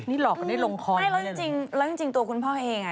นี่หลอกกว่าได้ลงคลอนหรือเปล่าอย่างนี้หรือเปล่าอืมไม่แล้วจริงตัวคุณพ่อเอง